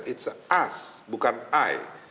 it's us bukan i